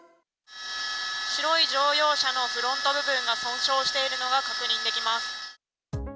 白い乗用車のフロント部分が損傷しているのが確認できます。